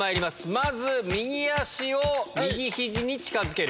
まず右足を右肘に近づける。